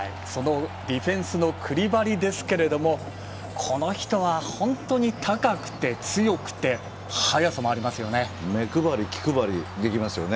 ディフェンスのクリバリですけどこの人は本当に高くて、強くて早さもありますよね。